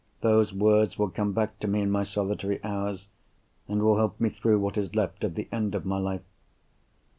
Those words will come back to me in my solitary hours, and will help me through what is left of the end of my life.